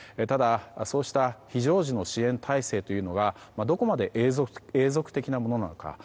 ただ、そうした非常時の支援体制というのがどこまで永続的なものなのか。